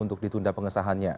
untuk ditunda pengesahannya